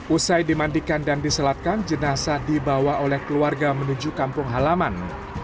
usai dimandikan dan diselatkan jenazah dibawa oleh keluarga menuju kampung halaman